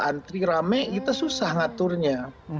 antri rame kita susah ngaturnya